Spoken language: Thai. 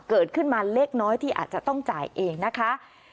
เกิดขึ้นมาเล็กน้อยที่อาจจะต้องจ่ายเองนะคะ